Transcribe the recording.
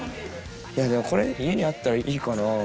でもこれ家にあったらいいかな。